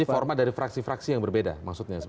jadi format dari fraksi fraksi yang berbeda maksudnya